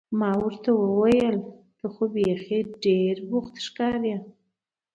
ما ورته وویل: ته خو بیخي ډېر بوخت ښکارې.